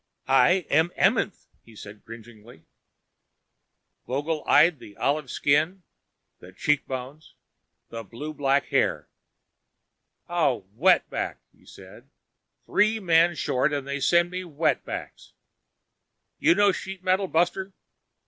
"I am Amenth," he said, cringing. Vogel eyed the olive skin, the cheekbones, the blue black hair. "A wetback," he said. "Three men short and they send me wetbacks. You know sheet metal, buster?"